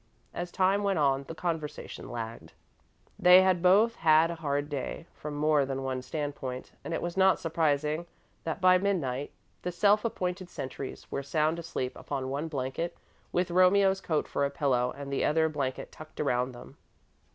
As time went on, the conversation lagged. They had both had a hard day, from more than one standpoint, and it was not surprising that by midnight, the self appointed sentries were sound asleep upon one blanket, with Romeo's coat for a pillow and the other blanket tucked around them.